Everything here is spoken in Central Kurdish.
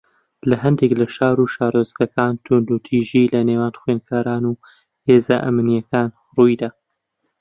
لە ھەندێک لە شار و شارۆچکەکان توندوتیژی لەنێوان خوێندکاران و هێزە ئەمنییەکان ڕووی دا